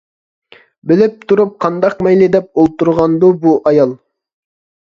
-بىلىپ تۇرۇپ قانداق مەيلى دەپ ئولتۇرىدىغاندۇ بۇ ئايال.